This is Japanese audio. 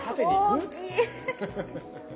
大きい。